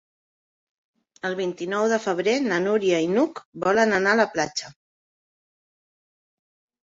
El vint-i-nou de febrer na Núria i n'Hug volen anar a la platja.